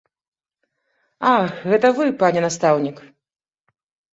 Ах, гэта вы, пане настаўнік!